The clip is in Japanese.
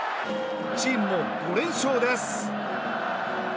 チームは５連勝です！